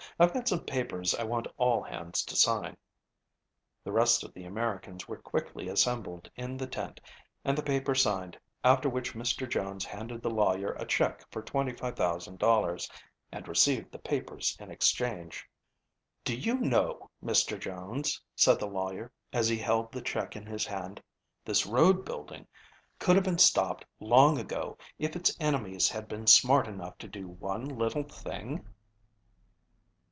I've got some papers I want all hands to sign." The rest of the Americans were quickly assembled in the tent, and the paper signed, after which Mr. Jones handed the lawyer a check for $25,000 and received the papers in exchange. "Do you know, Mr. Jones," said the lawyer, as he held the check in his hand, "this road building could have been stopped long ago if its enemies had been smart enough to do one little thing?"